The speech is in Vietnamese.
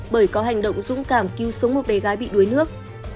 bởi có hành động dũng cảm cứu sống một bé gái bị đuối nước